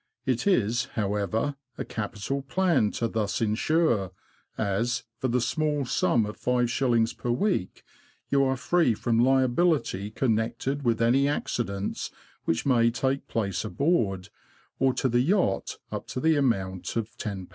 It is, how ever, a capital plan to thus insure, as, for the small sum of 5s. per week, you are free from liability con nected with any accidents which may take place aboard, or to the yacht, up to the amount of ;^io.